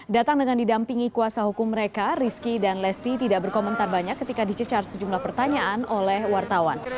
datang dengan didampingi kuasa hukum mereka rizky dan lesti tidak berkomentar banyak ketika dicecar sejumlah pertanyaan oleh wartawan